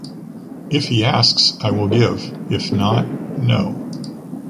If he asks, I will give. If not, no.